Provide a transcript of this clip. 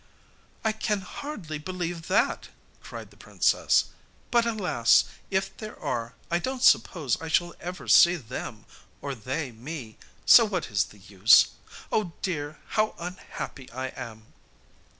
'I can hardly believe that,' cried the princess; 'but, alas! If there are, I don't suppose I shall ever see them or they me, so what is the use? Oh, dear, how unhappy I am!